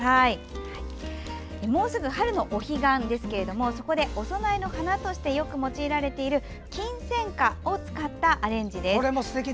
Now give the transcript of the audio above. もうすぐ春のお彼岸ですけれどもそこでお供えの花としてよく用いられているキンセンカを使ったアレンジです。